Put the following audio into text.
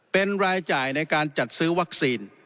เป็นรายจ่ายในการจัดซื้อวัคซีน